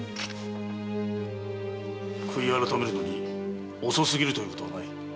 悔い改めるのに遅すぎるということはない。